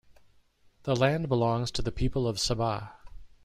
The land belongs to the people of Sabah.